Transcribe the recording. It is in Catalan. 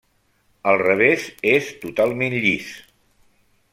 El revés és totalment llis.